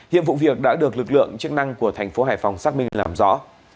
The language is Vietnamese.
hiện vụ việc đã được lực lượng chức năng của thành phố hải phòng xác minh làm rõ